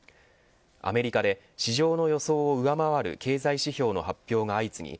アメリカで市場の予想を上回る経済指標の発表が相次ぎ